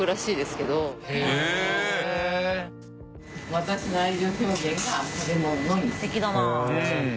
すてきだな。